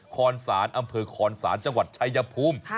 คอนศาลอำเภอคอนศาลจังหวัดชายภูมิ